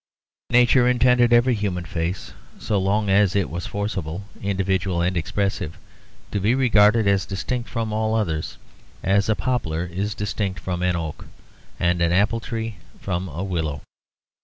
Nature intended every human face, so long as it was forcible, individual, and expressive, to be regarded as distinct from all others, as a poplar is distinct from an oak, and an apple tree from a willow.